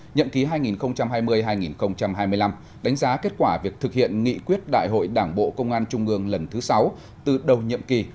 nhậm ký hai nghìn hai mươi hai nghìn hai mươi năm đánh giá kết quả việc thực hiện nghị quyết đại hội đảng bộ công an trung ương lần thứ sáu từ đầu nhiệm kỳ